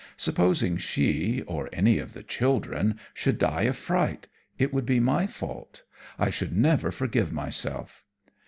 Supposing she, or any of the children, should die of fright, it would be my fault. I should never forgive myself.